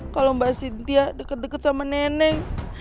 kalau mbak sintia deket deket sama nenek